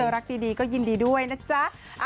รักดีก็ยินดีด้วยนะจ๊ะ